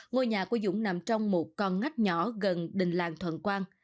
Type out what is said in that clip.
ngôi nhà của dũng nằm trong một con ngách nhỏ gần đình làng thuận quang